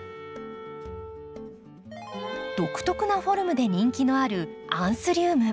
独特なフォルムで人気のあるアンスリウム。